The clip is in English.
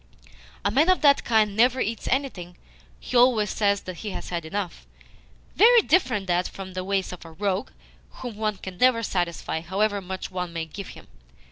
A man of that kind never eats anything he always says that he has had enough. Very different that from the ways of a rogue, whom one can never satisfy, however much one may give him.